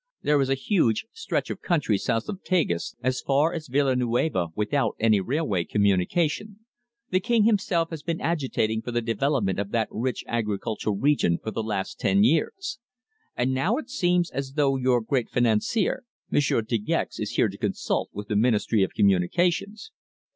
There is a huge stretch of country south of the Tagus as far as Villa Nueva without any railway communication. The King himself has been agitating for the development of that rich agricultural region for the last ten years. And now it seems as though your great financier, Monsieur De Gex, is here to consult with the Ministry of Communications."